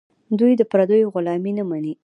دوی د پردیو غلامي نه مني.